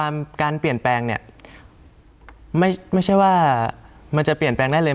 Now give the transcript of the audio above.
ไม่ใช่ว่ามันจะเปลี่ยนแปลงได้เลย